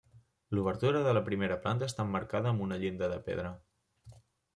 L'obertura de la primera planta està emmarcada amb una llinda de pedra.